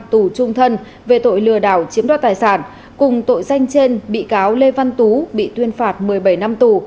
tù trung thân về tội lừa đảo chiếm đoạt tài sản cùng tội danh trên bị cáo lê văn tú bị tuyên phạt một mươi bảy năm tù